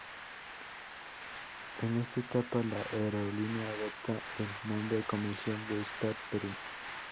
En esta etapa la aerolínea adopta el nombre comercial de "Star Perú".